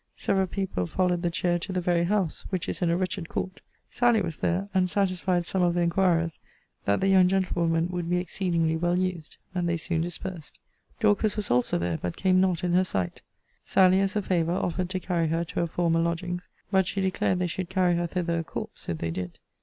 Several people followed the chair to the very house, which is in a wretched court. Sally was there; and satisfied some of the inquirers, that the young gentlewoman would be exceedingly well used: and they soon dispersed. Dorcas was also there; but came not in her sight. Sally, as a favour, offered to carry her to her former lodgings: but she declared they should carry her thither a corpse, if they did.